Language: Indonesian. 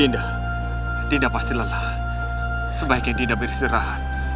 dinda dinda pasti lelah sebaiknya dinda berserah